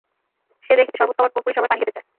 সে দেখেছে শরবত খাবার পরপরই সবাই পানি খেতে চায়।